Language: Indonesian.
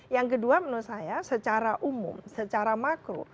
yang kedua menurut saya secara umum secara makro